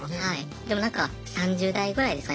でもなんか３０代ぐらいですかね